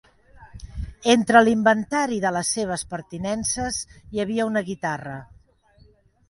Entre l'inventari de les seves pertinences hi havia una guitarra.